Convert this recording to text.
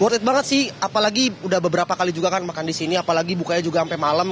worth banget sih apalagi udah beberapa kali juga kan makan di sini apalagi bukanya juga sampai malam